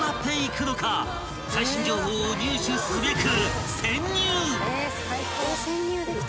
［最新情報を入手すべく］